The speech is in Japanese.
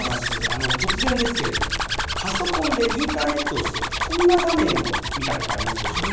突然ですけれども、パソコンでインターネットをして、こんな画面あります。